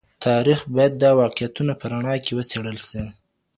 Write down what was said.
تاریخ باید د واقعیتونو په رڼا کي وڅېړل سي.